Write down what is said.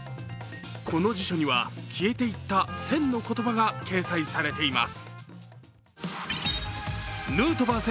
この辞書には、消えていった１０００の言葉が掲載されています。